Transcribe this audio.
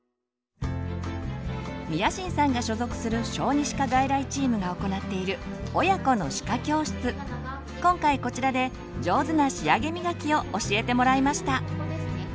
宮新さんが所属する小児歯科外来チームが行っている今回こちらで上手な仕上げみがきを教えてもらいました。